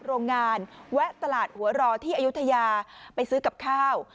โรงงานแวะตลาดหัวรอที่อายุทยาไปซื้อกับข้าว